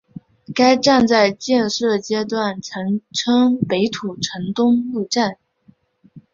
该站在建设阶段曾称北土城东路站。